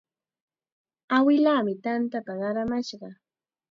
Awilaami tanta qaramashqa.